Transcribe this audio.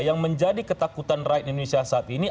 yang menjadi ketakutan rakyat indonesia saat ini